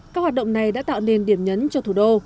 các hoạt động này đã tạo nên điểm nhấn cho thủ đô